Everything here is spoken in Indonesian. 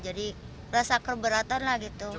jadi rasa keberatan lah gitu